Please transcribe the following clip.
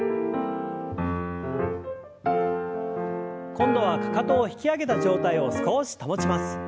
今度はかかとを引き上げた状態を少し保ちます。